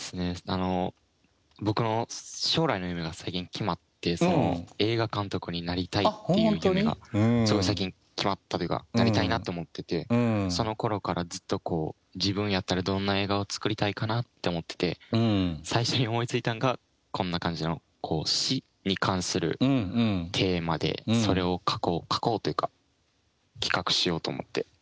あの僕の将来の夢が最近決まって映画監督になりたいっていう夢が最近決まったというかなりたいなと思っててそのころからずっとこう自分やったらどんな映画を作りたいかなって思ってて最初に思いついたのがこんな感じの「死」に関するテーマでそれを書こうというか企画しようと思って。